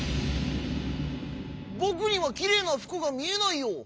「ぼくにはきれいなふくがみえないよ。